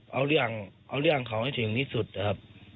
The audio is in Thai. เอาเรื่องเขาได้ถึงพี่ทุกคน